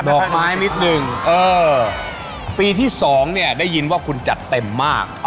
ดอกไม้นิดนึงปีที่สองได้ยินว่าคุณจัดเต็มมาก